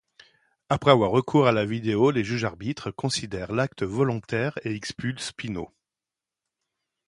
Après avoir recours à la vidéo les juges-arbitres considèrent l'acte volontaire et expulsent Pineau.